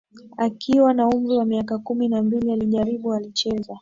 Akiwa na umri wa miaka kumi na mbili alijaribu alicheza